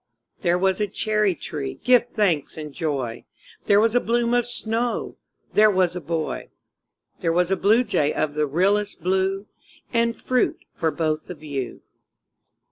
There was a cherry tree, give thanks and joy! There was a bloom of snow There was a boy There was a bluejay of the realest blue And fruit for both of you.